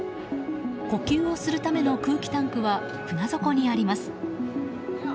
呼吸をするための空気タンクは船底にあります。